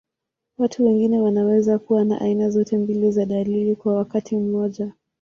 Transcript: Watu wengine wanaweza kuwa na aina zote mbili za dalili kwa wakati mmoja.